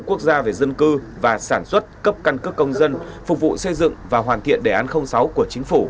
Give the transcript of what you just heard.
quốc gia về dân cư và sản xuất cấp căn cước công dân phục vụ xây dựng và hoàn thiện đề án sáu của chính phủ